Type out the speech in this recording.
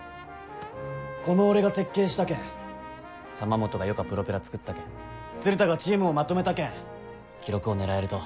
この俺が設計したけん玉本がよかプロペラ作ったけん鶴田がチームをまとめたけん記録を狙えると。